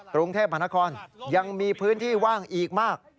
กรุงเทพมหานครยังมีพื้นที่ว่างอีกมาก